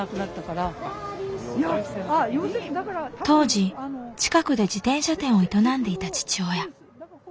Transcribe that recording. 当時近くで自転車店を営んでいた父親。